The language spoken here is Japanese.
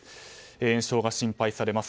延焼が心配されます。